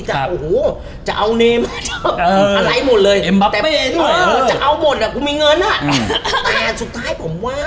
แต่ผมชอบ